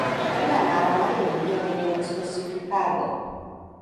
Enganar a maioria não especificada